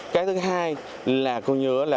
cái thứ hai là coi như là